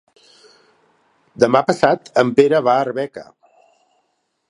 Demà passat en Pere va a Arbeca.